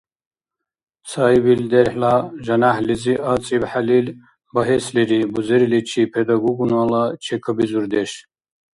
Цаибил дерхӀла жаняхӀлизи ацӀибхӀелил багьеслири бузериличи педагогунала чекабизурдеш.